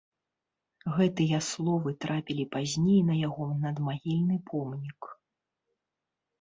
Гэтыя словы трапілі пазней на яго надмагільны помнік.